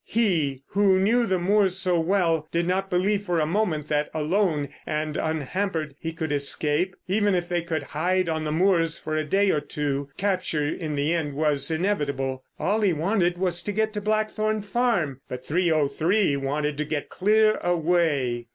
He, who knew the moors so well, did not believe for a moment that, alone and unhampered, he could escape; even if they could hide on the moors for a day or two, capture in the end was inevitable. All he wanted was to get to Blackthorn Farm; but 303 wanted to get clear away.